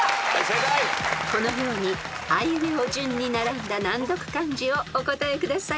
［このようにあいうえお順に並んだ難読漢字をお答えください］